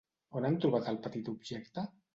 On han trobat el petit objecte?